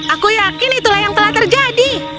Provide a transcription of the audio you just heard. aku yakin itulah yang telah terjadi